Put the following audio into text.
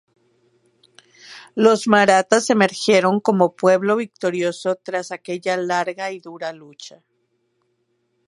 Los marathas emergieron como pueblo victorioso tras aquella larga y dura lucha.